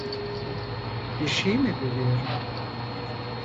Bir şeyi mi bölüyorum?